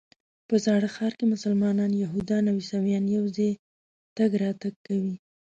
په زاړه ښار کې مسلمانان، یهودان او عیسویان یو ځای تګ راتګ کوي.